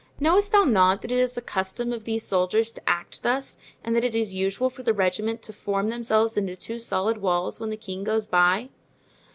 Knowest thou not that it is the custom of these soldiers to act thus and that it is usual for the regiment to form themselves into two solid walls when the king goes by?"